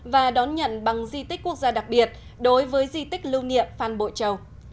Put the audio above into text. và đón nhận bằng di tích quốc gia đặc biệt đối với di tích lưu niệm phan bội châu